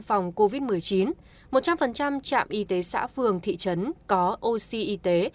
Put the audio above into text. phòng covid một mươi chín một trăm linh trạm y tế xã phường thị trấn có oxy y tế